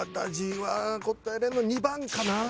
答えられるの２番かな。